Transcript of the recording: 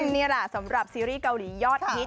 นี่แหละสำหรับซีรีส์เกาหลียอดฮิต